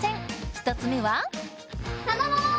１つ目は。